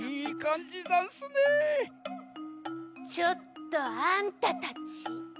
・ちょっとあんたたち。